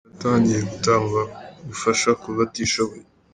Safi yatangiye gutanga ubufasha ku batishoboye.